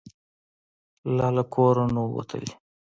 لا له کوره نه وو وتلي.